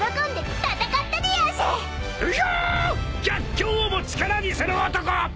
逆境をも力にする男］